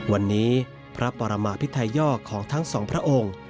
วันนี้พระปรมาพิทัยยอกของทั้งสองพระองค์